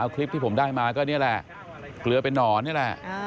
คลิปที่ผมได้มาก็นี่แหละเกลือเป็นนอนนี่แหละ